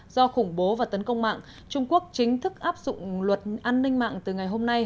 do khủng bố và tấn công mạng trung quốc chính thức áp dụng luật an ninh mạng từ ngày hôm nay